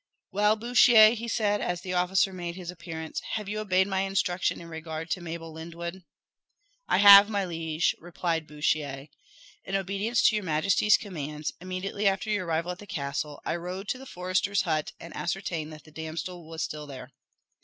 "Well, Bouchier," he said, as the officer made his appearance, "have you obeyed my instructions in regard to Mabel Lyndwood?" "I have, my liege," replied Bouchier. "In obedience to your majesty's commands, immediately after your arrival at the castle I rode to the forester's hut, and ascertained that the damsel was still there."